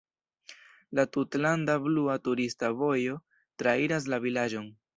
La "Tutlanda "blua" turista vojo" trairas la vilaĝon.